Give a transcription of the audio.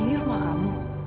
ini rumah kamu